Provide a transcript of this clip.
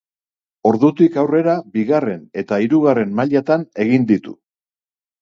Ordutik aurrera bigarren eta hirugarren mailatan egin ditu.